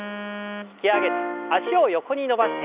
引き上げて脚を横に伸ばして。